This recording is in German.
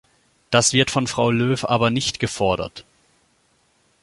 Das wird von Frau Lööw aber nicht gefordert.